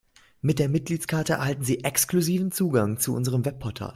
Mit der Mitgliedskarte erhalten Sie exklusiven Zugang zu unserem Webportal.